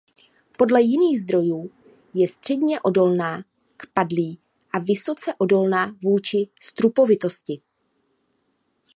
Podle jiných zdrojů je středně odolná k padlí a vysoce odolná vůči strupovitosti.